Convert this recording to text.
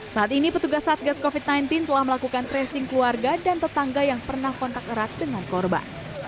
saat ini petugas satgas covid sembilan belas telah melakukan tracing keluarga dan tetangga yang pernah kontak erat dengan korban